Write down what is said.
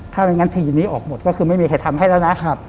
ถ้าไม่งั้นคดีนี้ออกหมดก็คือไม่มีใครทำให้แล้วนะ